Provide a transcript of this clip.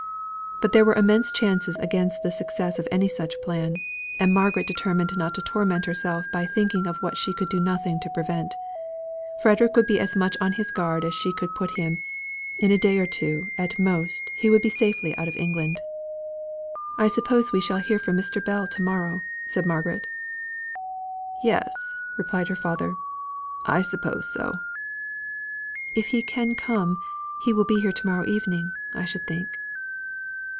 But there were immense chances against the success of any such plan; and Margaret determined not to torment herself by thinking of what she could do nothing to prevent. Frederick would be as much on his guard as she could put him; and in a day or two at most he would be safely out of England. "I suppose we shall hear from Mr. Bell to morrow," said Margaret. "Yes," replied her father. "I suppose so." "If he can come, he will be here to morrow evening, I should think."